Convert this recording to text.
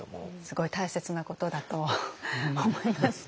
すごい大切なことだと思います。